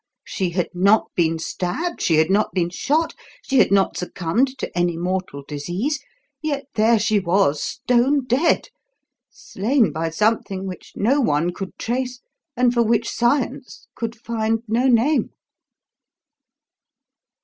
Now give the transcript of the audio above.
She had not been stabbed, she had not been shot, she had not succumbed to any mortal disease yet there she was, stone dead, slain by something which no one could trace and for which Science could find no name."